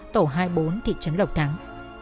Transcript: tổ hai mươi bốn thị trấn lộc thắng